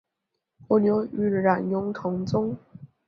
伯牛与冉雍同宗。